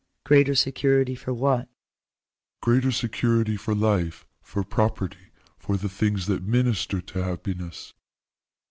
" Greater security for what ?"" Greater security for life, for property, for the things that minister to happiness."